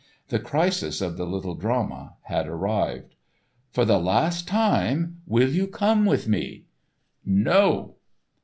The crisis of the Little Drama had arrived. "For the last time, will you come with me?" "No!"